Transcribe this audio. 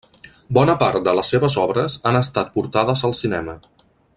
Bona part de les seves obres han estat portades al cinema.